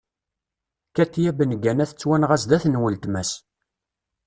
Katya Bengana tettwanɣa zdat n weltma-s.